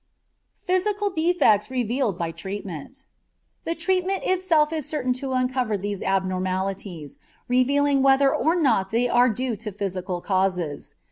PHYSICAL DEFECTS REVEALED BY TREATMENT The treatment itself is certain to uncover these abnormalities, revealing whether or not they are due to physical causes.